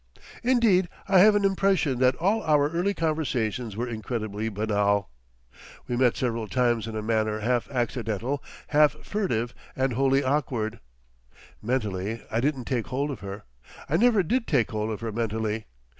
Indeed I have an impression that all our early conversations were incredibly banal. We met several times in a manner half accidental, half furtive and wholly awkward. Mentally I didn't take hold of her. I never did take hold of her mentally.